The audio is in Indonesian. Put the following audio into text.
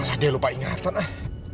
ah dia lupa ingatan ah